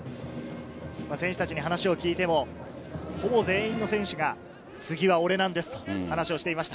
選手たちに話を聞いても、ほぼ全員の選手が次は俺なんですと話をしていました。